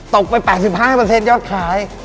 ตกไป๘๕ยอดขาย